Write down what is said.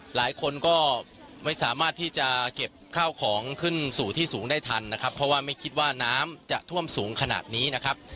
หลายคนก็ไม่สามารถที่จะเก็บข้าวของขึ้นสู่ที่สูงได้ทันนะครับเพราะว่าไม่คิดว่าน้ำจะท่วมสูงขนาดนี้นะครับ